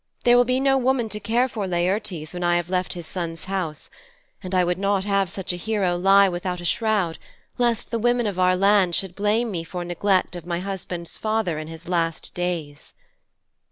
There will be no woman to care for Laertes when I have left his son's house, and I would not have such a hero lie without a shroud, lest the women of our land should blame me for neglect of my husband's father in his last days.'"